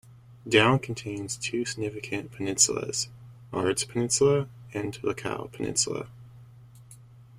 Down contains two significant peninsulas: Ards Peninsula and Lecale peninsula.